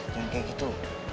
jangan kayak gitu